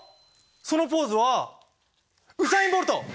そのポーズはウサイン・ボルト！